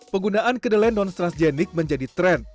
penggunaan kedelai non strasgenik menjadi tren